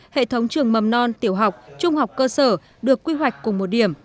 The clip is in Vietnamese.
hệ thống trường mầm non tiểu học trung học cơ sở được quy hoạch cùng một điểm